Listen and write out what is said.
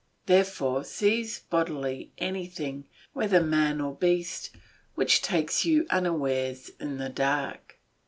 Therefore seize boldly anything, whether man or beast, which takes you unawares in the dark.